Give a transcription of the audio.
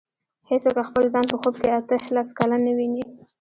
هېڅوک خپل ځان په خوب کې اته لس کلن نه ویني.